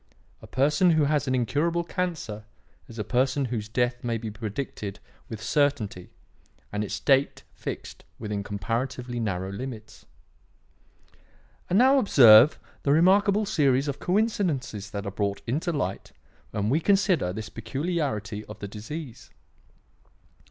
A person who has an incurable cancer is a person whose death may be predicted with certainty and its date fixed within comparatively narrow limits. "And now observe the remarkable series of coincidences that are brought into light when we consider this peculiarity of the disease.